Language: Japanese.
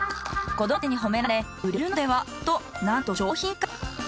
子どもたちに褒められ「売れるのでは？」となんと商品化。